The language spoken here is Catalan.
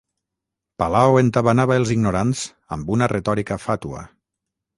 Palao entabanava els ignorants amb una retòrica fàtua.